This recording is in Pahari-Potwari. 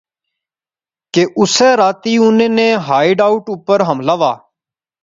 کہ اسے راتی انیں نے ہائیڈ اوٹ اپر حملہ وہا